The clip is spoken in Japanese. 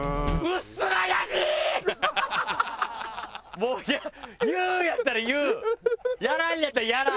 もう言うんやったら言う！やらんのやったらやらん！